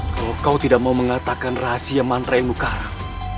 kalau kau tidak mau mengatakan rahasia mantra ilmu karam